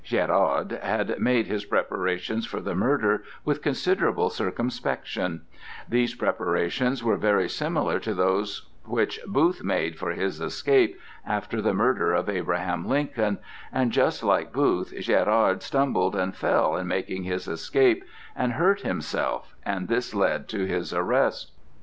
Gérard had made his preparations for the murder with considerable circumspection; these preparations were very similar to those which Booth made for his escape after the murder of Abraham Lincoln, and just like Booth, Gérard stumbled and fell in making his escape and hurt himself, and this led to his arrest.